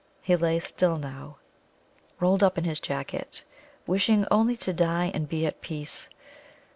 He lay still now, rolled up in his jacket, wishing only to die and be at peace.